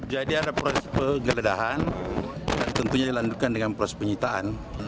jadi ada proses pengeledahan dan tentunya dilanjutkan dengan proses penyitaan